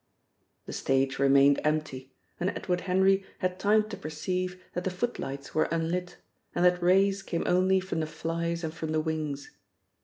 The stage remained empty, and Edward Henry had time to perceive that the footlights were unlit, and that rays came only from the flies and from the wings.